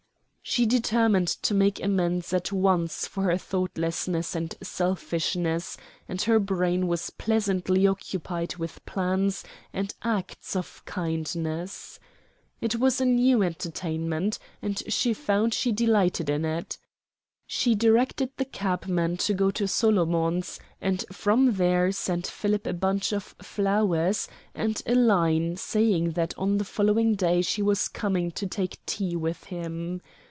She determined to make amends at once for her thoughtlessness and selfishness, and her brain was pleasantly occupied with plans and acts of kindness. It was a new entertainment, and she found she delighted in it. She directed the cabman to go to Solomons's, and from there sent Philip a bunch of flowers and a line saying that on the following day she was coming to take tea with him.